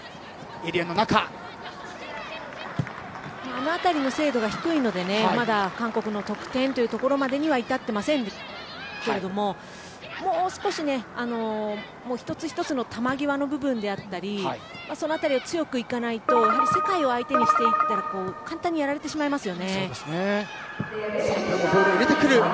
あの辺りの精度が低いのでまだ韓国の得点にまでは至っていませんけどもう少し１つ１つの球際の部分だったりその辺りを強くいかないと世界を相手にしていったら簡単にやられてしまいますよね。